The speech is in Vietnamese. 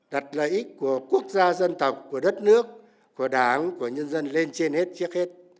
đặt lợi ích của quốc gia dân tộc của đất nước của đảng của nhân dân lên trên hết trước hết